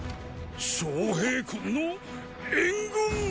昌平君の援軍っ！